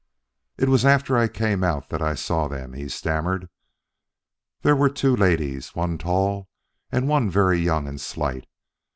"It was after I came out that I saw them," he stammered. "There were two ladies, one tall and one very young and slight.